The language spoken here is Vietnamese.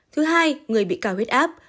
thứ hai người bị cao huyết áp